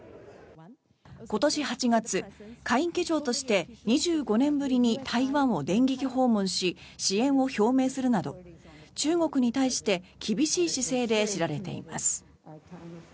今年８月、下院議長として２５年ぶりに台湾を電撃訪問し支援を表明するなど中国に対して厳しい姿勢で知られています。